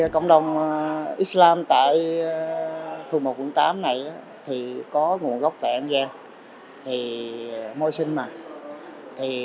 cộng đồng islam tại khu một quận tám này có nguồn gốc tại an giang môi sinh